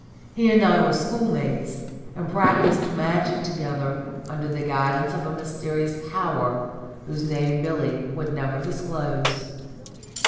He and I were schoolmates, and practised magic together under the guidance of a mysterious Power whose name Billy would never disclose."